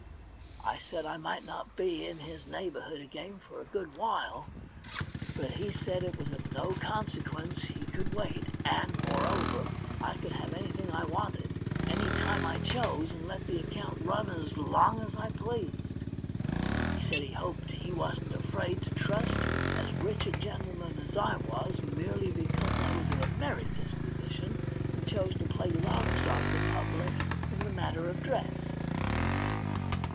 I said I might not be in his neighbourhood again for a good while; but he said it was of no consequence, he could wait, and, moreover, I could have anything I wanted, any time I chose, and let the account run as long as I pleased. He said he hoped he wasn't afraid to trust as rich a gentleman THE £lfiOOfiOO BANK NOTE i as I was, merely because I was of a merry dispo sition, and chose to play larks on the public in the matter of dress.